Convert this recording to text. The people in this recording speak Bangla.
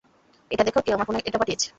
এইটা দেখো, কেউ আমার ফোনে এটা পাঠিয়েছে।